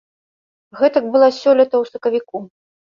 Гэтак было сёлета ў сакавіку.